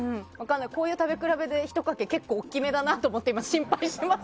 こういう食べ比べで、ひとかけ結構大きめだなと思って心配してます。